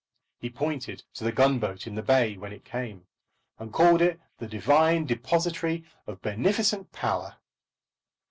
He pointed to the gunboat in the bay when it came, and called it the divine depository of beneficent power.